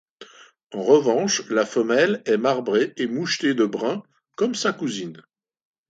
En revanche, la femelle est marbrée et mouchetée de brun comme sa cousine.